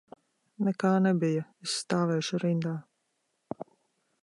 Nekā nebija, es stāvēšu rindā.